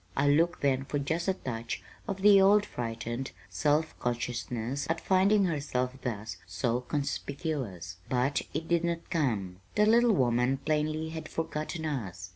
I looked then for just a touch of the old frightened, self consciousness at finding herself thus so conspicuous; but it did not come. The little woman plainly had forgotten us.